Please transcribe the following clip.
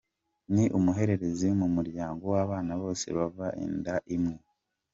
Ni umuhererezi mu muryango w’abana bose bava inda imwe.